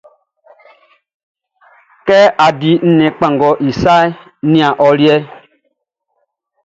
Kɛ á dí nnɛn kpanngɔʼn i saʼn, nian ɔ liɛʼn.